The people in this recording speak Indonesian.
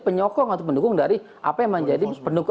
penyokong atau pendukung dari apa yang menjadi pendukung